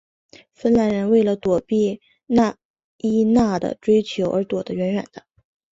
芬兰人为了躲避纳伊娜的追求而躲得远远的。